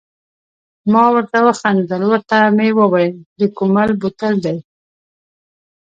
ما ورته و خندل، ورته مې وویل د کومل بوتل دی.